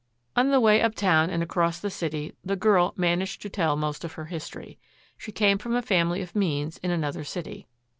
On the way uptown and across the city the girl managed to tell most of her history. She came from a family of means in another city.